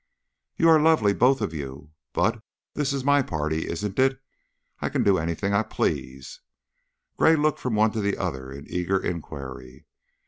"You are lovely, both of you, but this is my party, isn't it? I can do anything I please?" Gray looked from one to the other in eager inquiry.